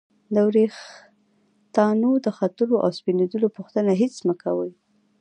د ورېښتانو د ختلو او سپینیدلو پوښتنه هېڅ مه کوئ!